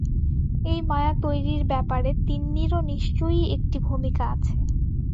এই মায়া তৈরির ব্যাপারে তিন্নিরও নিশ্চয়ই একটি ভূমিকা আছে।